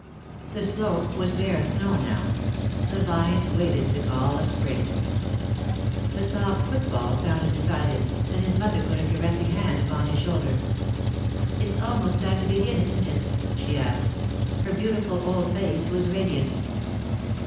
The slope was bare of snow, now; the vines waited the call of Spring. [Sidenote: Alden's Revolt] A soft footfall sounded beside him, then his mother put a caressing hand upon his shoulder. "It's almost time to begin, isn't it?" she asked. Her beautiful old face was radiant.